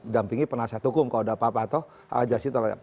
dampingi penasihat hukum kalau ada apa apa atau hal hal jasid